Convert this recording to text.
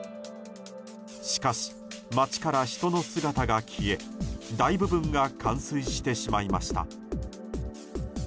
しかし街から人の姿が消え大部分が冠水してしまいました。